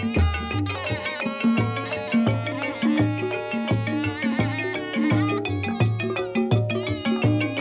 โชคดีครับ